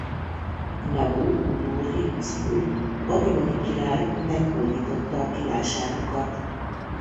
Nabú-kudurri-uszur babiloni király meghódította a királyságukat.